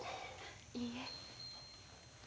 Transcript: いいえ。